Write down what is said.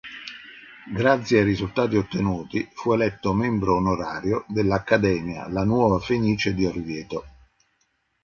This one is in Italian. Grazie ai risultati ottenuti, fu eletto membro onorario dell'Accademia, "La Nuova Fenice" di Orvieto.